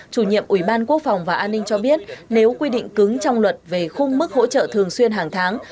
chủ nhiệm ủy ban quốc phòng và an ninh cho biết nếu quy định cứng trong luật về khung mức hỗ trợ thường xuyên hàng tháng